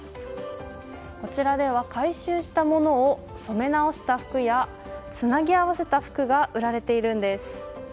こちらでは回収したものを染め直した服やつなぎ合わせた服が売られているんです。